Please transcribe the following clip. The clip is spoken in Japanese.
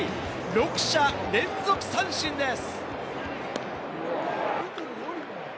６者連続三振です。